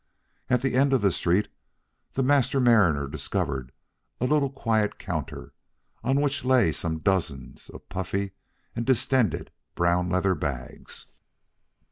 At the end of the street, the Master Mariner discovered a little quiet counter on which lay some dozens of puffy and distended brown leather bags.